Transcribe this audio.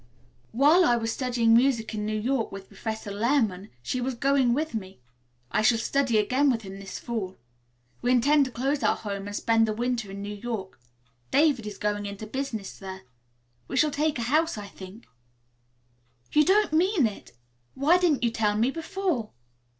While I was studying music in New York, with Professor Lehmann, she was with me. I shall study again with him this fall. We intend to close our home and spend the winter in New York. David is going into business there. We shall take a house, I think." "You don't mean it! Why didn't you tell me before?"